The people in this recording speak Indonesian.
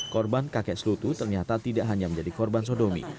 korban kakek selutu ternyata tidak hanya menjadi korban sodomi